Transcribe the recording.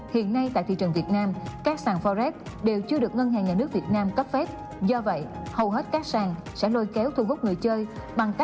hãy đăng ký kênh để ủng hộ kênh của mình nhé